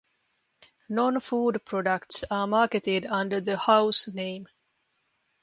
Non-food products are marketed under the "House" name.